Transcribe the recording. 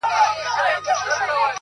ستا د خولې خندا يې خوښه سـوېده”